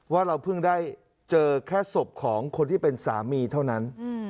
เราเพิ่งได้เจอแค่ศพของคนที่เป็นสามีเท่านั้น